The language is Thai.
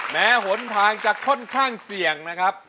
หนทางจะค่อนข้างเสี่ยงนะครับ